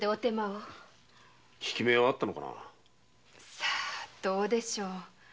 さあどうでしょう